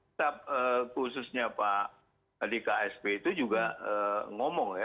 tetap khususnya pak di ksp itu juga ngomong ya